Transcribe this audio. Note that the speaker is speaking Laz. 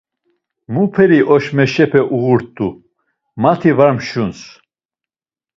Muperi oşmeşepe uğut̆u mati var mşuns.